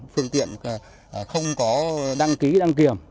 phương tiện không có đăng ký đăng kiểm